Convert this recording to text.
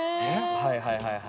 はいはいはいはい。